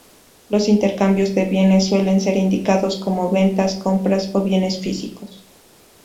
Los intercambios de bienes suelen ser indicados como ventas, compras o bienes físicos.